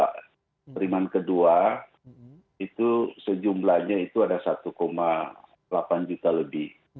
penerimaan kedua itu sejumlahnya itu ada satu delapan juta lebih